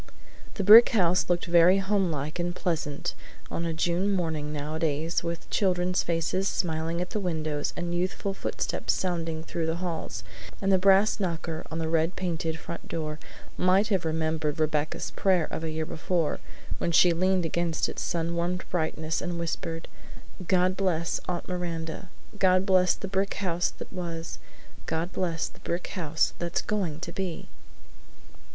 The brick house looked very homelike and pleasant on a June morning nowadays with children's faces smiling at the windows and youthful footsteps sounding through the halls; and the brass knocker on the red painted front door might have remembered Rebecca's prayer of a year before, when she leaned against its sun warmed brightness and whispered: "God bless Aunt Miranda; God bless the brick house that was; God bless the brick house that's going to be!"